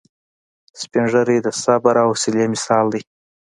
سپین ږیری د صبر او حوصلې مثال دی